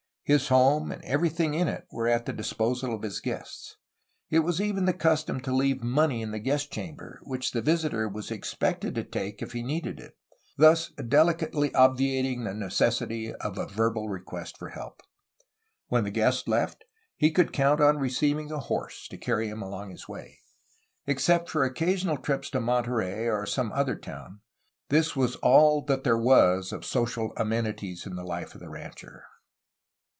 His home and everything in it were at the disposal of his guests. It was even the custom to leave money in the guest chamber, which the visitor was expected to take if he needed it, thus delicately obviating the necessity of a verbal request for help. When the guest left, he could count 394 A HISTORY OF CALIFORNIA on receiving a horse to carry him along his way. Except for occasional trips to Monterey or some other town, this was all that there was of social amenities in the life of the rancher.